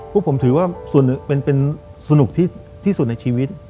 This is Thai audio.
พวกผมถือว่าเป็นสนุกที่สุดในชีวิต